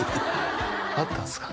会ったんすか？